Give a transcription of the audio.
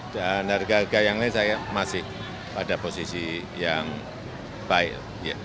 dan harga harga yang lain saya masih pada posisi yang baik